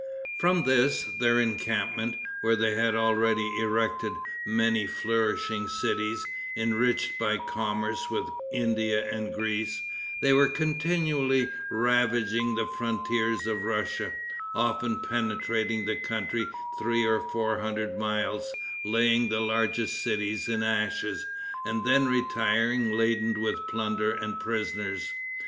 From this, their encampment, where they had already erected many flourishing cities, enriched by commerce with India and Greece, they were continually ravaging the frontiers of Russia, often penetrating the country three or four hundred miles, laying the largest cities in ashes, and then retiring laden with plunder and prisoners.